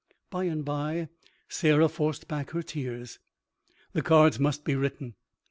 By and by Sarah forced back her tears. The cards must be written.